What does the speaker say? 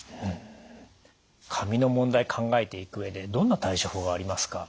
髪の問題考えていく上でどんな対処法がありますか？